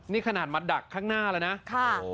นี่ขนาดมาดักข้างหน้าแล้วนะ